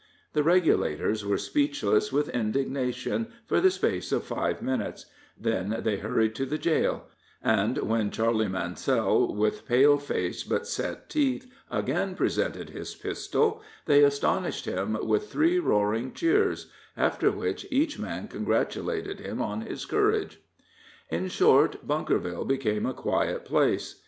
The regulators were speechless with indignation for the space of five minutes then they hurried to the jail; and when Charley Mansell, with pale face but set teeth, again presented his pistol, they astonished him with three roaring cheers, after which each man congratulated him on his courage. In short, Bunkerville became a quiet place.